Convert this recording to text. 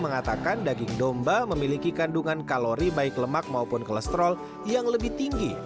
mengatakan daging domba memiliki kandungan kalori baik lemak maupun kolesterol yang lebih tinggi